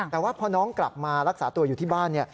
แต่ว่าพอน้องกลับมารักษาตัวอยู่ที่บ้านเนี่ย